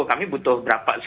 kami butuh berapa